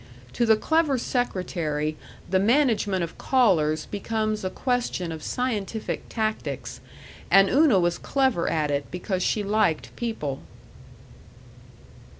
To the clever secretary the management of callers becomes a question of scientific tactics, and Una was clever at it because she liked people.